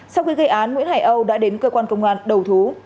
sau khi gây án nguyễn hải âu đã đến cơ quan công an đầu thú